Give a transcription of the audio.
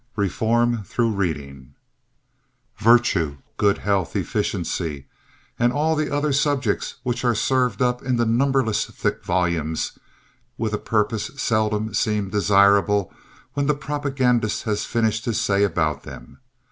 Reform Through Reading Virtue, good health, efficiency and all the other subjects which are served up in the numberless thick volumes with a purpose seldom seem desirable when the propagandist has finished his say about them.